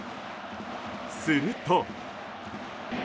すると。